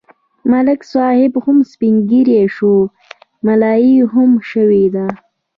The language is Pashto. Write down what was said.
ملک صاحب هم سپین ږیری شو، ملایې خم شوې ده.